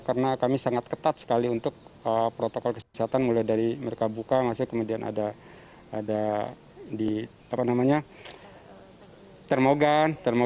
karena kami sangat ketat sekali untuk protokol kesehatan mulai dari mereka buka kemudian ada termogan